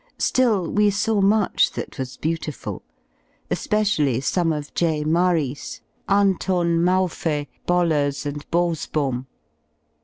Still, we saw much that was beautiful. Especially some of J. Maris, Anton Mauve, Boilers, and Bosboom.